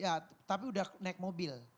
ya tapi udah naik mobil